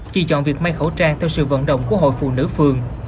chỉ chọn việc may khẩu trang theo sự vận động của hội phụ nữ phường